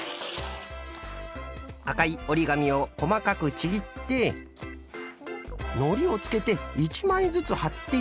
あかいおりがみをこまかくちぎってのりをつけて１まいずつはっていく。